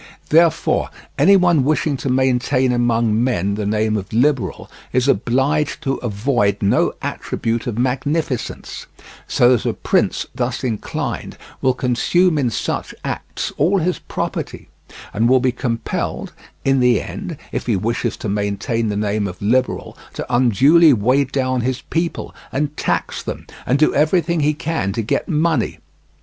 Therefore, any one wishing to maintain among men the name of liberal is obliged to avoid no attribute of magnificence; so that a prince thus inclined will consume in such acts all his property, and will be compelled in the end, if he wish to maintain the name of liberal, to unduly weigh down his people, and tax them, and do everything he can to get money.